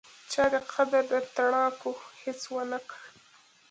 چا دې قدر د تڼاکو هیڅ ونکړ